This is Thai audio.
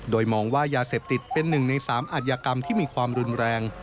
โดยมองว่ายาเสพติดเป็น๑ใน๓อัธยกรรมที่มีความรุนแรง